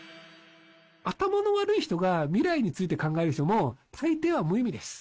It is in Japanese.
「頭の悪い人が未来について考える」「たいていは無意味です」